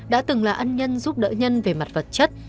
đã từng là ân nhân giúp đỡ nhân về mặt vật chất